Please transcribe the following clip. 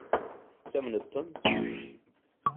Tettamneḍ-ten?